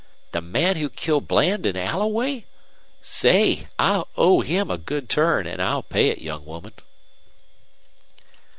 "The man who killed Bland an' Alloway? Say, I owe him a good turn, an' I'll pay it, young woman."